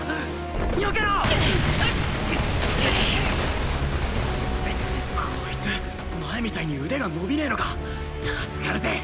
避けろ！こいつ前みたいに腕が伸びねェのか助かるぜ！